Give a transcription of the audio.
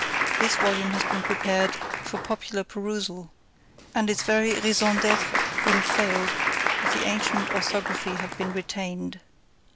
This volume has been prepared "for popular perusal;" and its very raison d'être would have failed, if the ancient orthography had been retained.